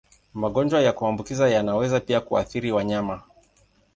Magonjwa ya kuambukiza yanaweza pia kuathiri wanyama.